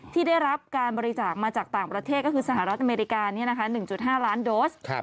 ที่ได้รับการบริจาคมาจากต่างประเทศก็คือสหรัฐอเมริกา๑๕ล้านโดส